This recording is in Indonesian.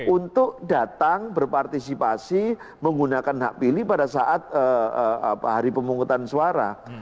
untuk datang berpartisipasi menggunakan hak pilih pada saat hari pemungutan suara